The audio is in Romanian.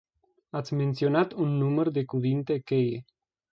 Ați menționat un număr de cuvinte cheie.